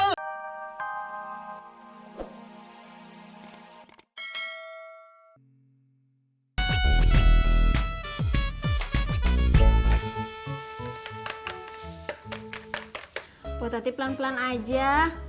buat hati pelan pelan aja